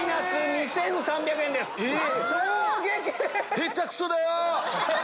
下手くそだよ。